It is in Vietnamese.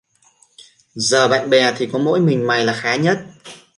Giờ bạn bè thi có mỗi mình mày là khá nhất